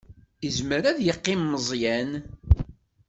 Izmer ad yeqqim Meẓyan.